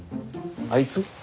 あいつ？